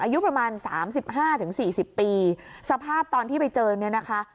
อายุประมาณ๓๕๔๐ปีสภาพตอนที่ไปเจอเนี่ยนะคะ